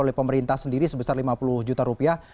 jadi sebesar lima puluh juta rupiah